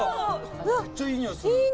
めっちゃいい匂いする。